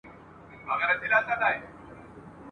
له مبارک سره یوازي مجلسونه ښيي !.